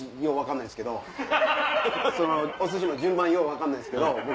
お寿司の順番よう分かんないんすけど僕。